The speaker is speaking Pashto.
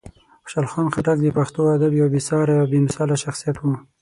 خوشحال خان خټک د پښتو ادب یو بېساری او بېمثاله شخصیت و.